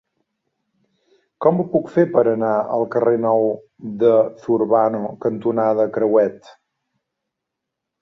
Com ho puc fer per anar al carrer Nou de Zurbano cantonada Crehuet?